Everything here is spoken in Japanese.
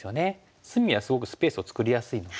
隅はすごくスペースを作りやすいので。